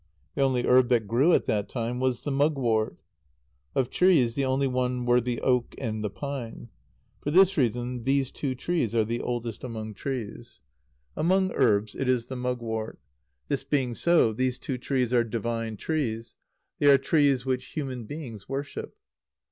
The only herb that grew at that time was the mugwort. Of trees, the only ones were the oak and the pine. For this reason, these two trees are the oldest among trees. Among herbs, it is the mugwort. This being so, these two trees are divine trees; they are trees which human beings worship.